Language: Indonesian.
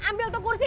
ambil tuh kursi